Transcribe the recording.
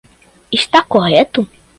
Está correto?